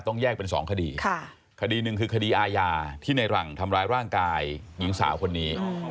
ต้องแยกเป็นสองคดีคดีหนึ่งคือคดีอาญาที่ในหลังทำร้ายร่างกายหญิงสาวคนนี้